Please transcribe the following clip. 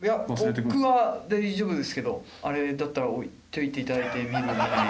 僕は大丈夫ですけどあれだったら置いておいていただいて見る見ない。